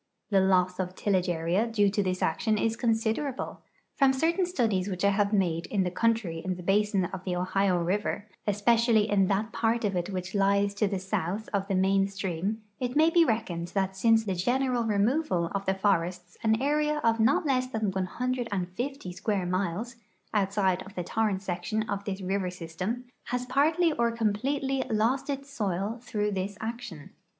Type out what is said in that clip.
The loss of tillage area due to this action is considerable ; from certain studies which I have made in the countiy in the basin of the Ohio river, especially in that part of it which lies to the south of the main stream, it ma}' be reckoned that since the general removal of the forests an area of not less than 150 square miles, outside of the torrent section of this river system, has parti j' or completel}^ lost its soil through this action.